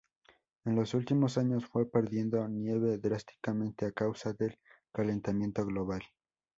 En los últimos años fue perdiendo nieve drásticamente a causa del calentamiento global.